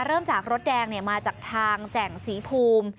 เริ่มจากรถแดงมาจากทางแจ่งศรีภูมิ